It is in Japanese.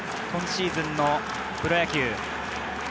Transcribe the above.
今シーズンのプロ野球。